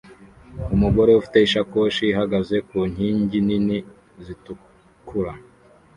Umugore ufite isakoshi ihagaze ku nkingi nini zitukura